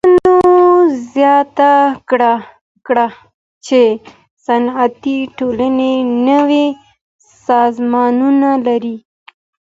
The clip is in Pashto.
پوهانو زياته کړه چي صنعتي ټولني نوي سازمانونه لري.